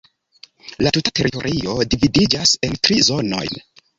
La tuta teritorio dividiĝas en tri zonojn.